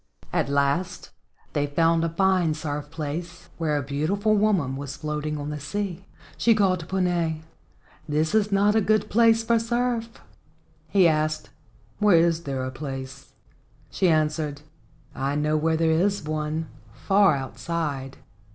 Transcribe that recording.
At last they found a fine surf place where a beautiful woman was floating on the sea. She called to Puna, "This is not a good place for surf." He asked, "Where is there a place?" She answered, "I know where there is one, far outside."